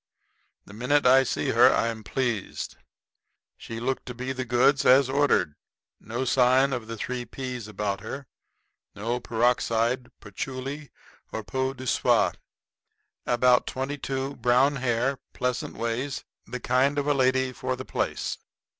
The minute I see her I am pleased. She looked to be the goods as ordered. No sign of the three p's about her no peroxide, patchouli, nor peau de soie; about twenty two, brown hair, pleasant ways the kind of a lady for the place.